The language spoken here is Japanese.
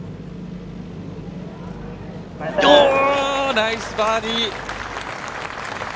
ナイスバーディー！